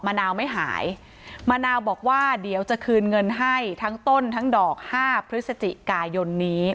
นาวไม่หายมะนาวบอกว่าเดี๋ยวจะคืนเงินให้ทั้งต้นทั้งดอกห้าพฤศจิกายนนี้